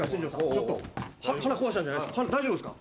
ちょっと腹壊したんじゃないですか？